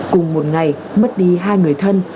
cùng một ngày mất đi hai người thân